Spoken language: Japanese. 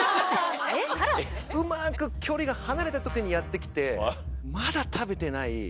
うまく距離が離れた時にやって来てまだ食べてない。